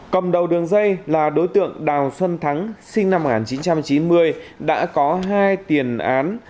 cầm đầu đường dây là đối tượng đào xuân thắng sinh năm một nghìn chín trăm chín mươi đã có hai tiền án